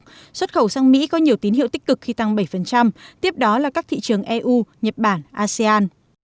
năm tháng qua xuất khẩu sang mỹ có nhiều tiến hiệu tích cực khi tăng bảy tiếp đó là các thị trường eu nhật bản asean